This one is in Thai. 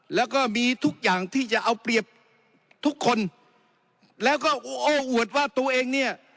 แล้วก็มีทุกอย่างที่จะเอาเปรียบทุกคนแล้วก็โอ้อวดว่าตัวเองเนี่ย